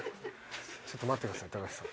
ちょっと待ってください高橋さん。